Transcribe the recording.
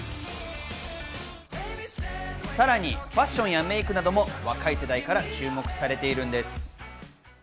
さらにファッションやメイクなども若い世代から注目されているんです。